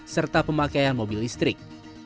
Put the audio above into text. serta pemakaian mobil listrik